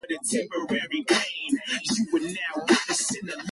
It extends for about along Zimbabwe's eastern border with Mozambique.